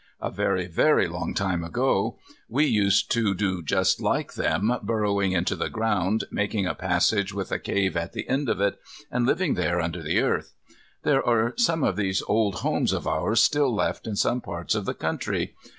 A very, very long time ago, we used to do just like them, burrowing into the ground, making a passage with a cave at the end of it, and living there under the earth. There are some of these old homes of ours still left in some parts of the country.